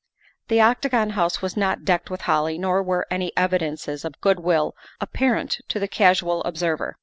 The Octagon House was not decked with holly, nor were any evidences of good will apparent to the casual observer.